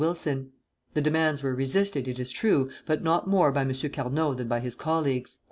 Wilson. The demands were resisted, it is true, but not more by M. Carnot than by his colleagues.